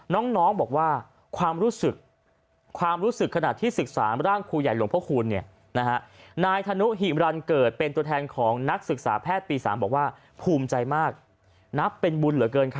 น้องบอกว่าความรู้สึกความรู้สึกขนาดที่ศึกษาร่างครูใหญ่หลวงพระคูณ